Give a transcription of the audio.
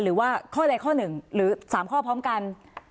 หรือว่าข้อใดข้อหนึ่งหรือ๓ข้อพร้อมกัน